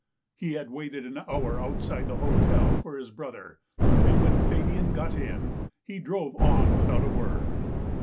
He had waited an hour outside the hotel for his brother, and when Fabian got in, he drove on without a word.